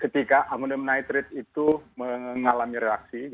ketika amonium nitrat itu mengalami reaksi